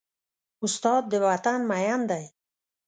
استاد د وطن مین دی.